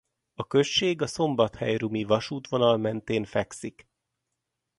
A község a szombathely-rumi vasútvonal mentén fekszik.